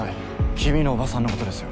君の叔母さんのことですよ。